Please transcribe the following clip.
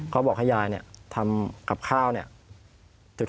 เขาบอกให้ยายทำกับข้าวเนี่ย